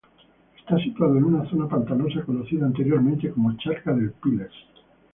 Está situado en una zona pantanosa conocida anteriormente como Charca del Piles.